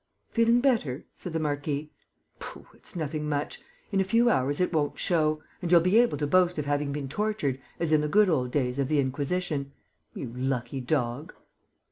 "Feeling better?" said the marquis. "Pooh, it's nothing much! In a few hours, it won't show; and you'll be able to boast of having been tortured, as in the good old days of the Inquisition. You lucky dog!"